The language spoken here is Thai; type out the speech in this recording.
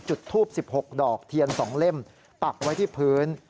จุดทูบ๑๖ดอกเทียน๒เล่มปักไว้ที่พื้น